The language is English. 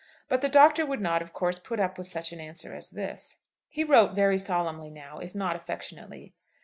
But the Doctor would not, of course, put up with such an answer as this. He wrote very solemnly now, if not affectionately.